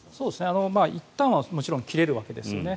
いったんはもちろん切れるわけですね。